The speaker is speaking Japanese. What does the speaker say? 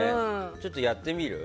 ちょっとやってみる？